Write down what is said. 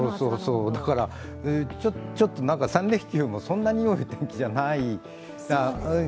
だから、ちょっと３連休もそんなにいい天気じゃないなって。